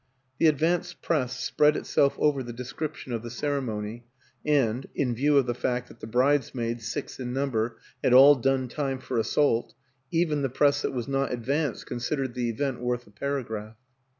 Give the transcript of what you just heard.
The advanced Press spread itself over the description of the ceremony and 37 38 WILLIAM AN ENGLISHMAN in view of the fact that the bridesmaids, six in number, had all done time for assault even the Press that was not advanced considered the event worth a paragraph.